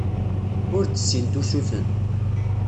Ur d-ssint usuten.